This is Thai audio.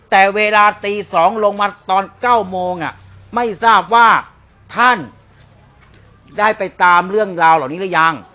แต่เวลาตี๒ลงมาตอน๙โมงไม่ทราบว่าท่านได้ไปตามเรื่องราวเหล่านี้หรือยัง